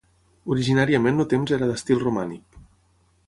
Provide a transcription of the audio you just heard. Originàriament el temps era d'estil romànic.